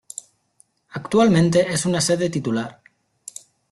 Actualmente es una sede titular.